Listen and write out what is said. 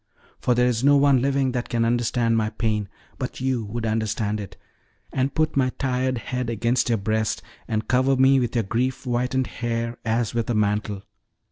For there is no one living that can understand my pain; but you would understand it, and put my tired head against your breast, and cover me with your grief whitened hair as with a mantle.